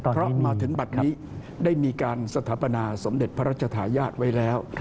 เพราะมาถึงบัตรนี้ได้มีการสถาปนาสมเด็จพระราชทายาทไว้แล้ว